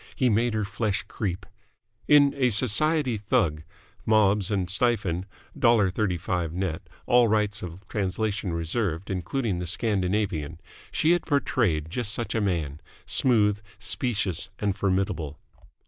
He made her flesh creep. In "A Society Thug" (Mobbs and Stifien, $1.35 net, all rights of translation reserved, including the Scandinavian) she had portrayed just such a man smooth, specious, and formidable.